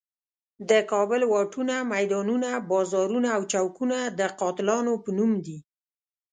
د کابل واټونه، میدانونه، بازارونه او چوکونه د قاتلانو په نوم دي.